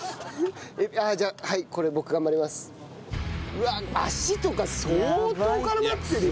うわっ脚とか相当絡まってるよ。